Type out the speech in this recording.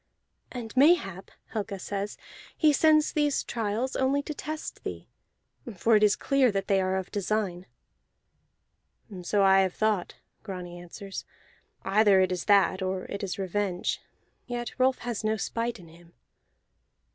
"And mayhap," Helga says, "he sends these trials only to test thee, for it is clear that they are of design." "So I have thought," Grani answers. "Either it is that, or it is revenge; yet Rolf has no spite in him."